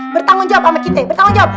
bertanggung jawab sama cintai bertanggung jawab